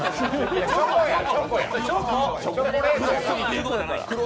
チョコやろ！